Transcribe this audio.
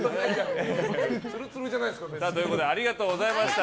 ということでありがとうございました。